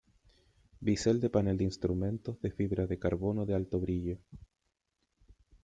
Bisel de panel de instrumentos de fibra de carbono de alto brillo.